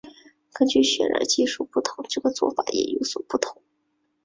根据渲染技术的不同这个做法也有所不同。